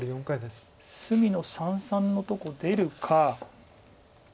隅の三々のとこ出るか。